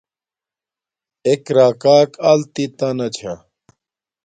ایک راکاک التت تا نا چھا